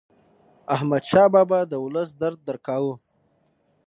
احمدشاه بابا د ولس درد درک کاوه.